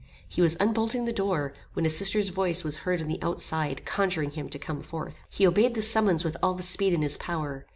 He was unbolting the door, when his sister's voice was heard on the outside conjuring him to come forth. He obeyed the summons with all the speed in his power.